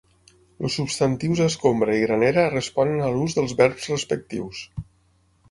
Els substantius escombra i granera responen a l’ús del verbs respectius.